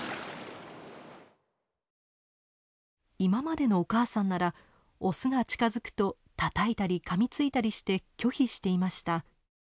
今までのお母さんならオスが近づくとたたいたりかみついたりして拒否していました。